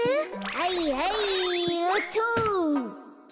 はいはいよっと！